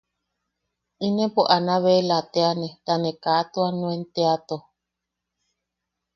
Inepo Anabela teane ta ne kaa nuan teato...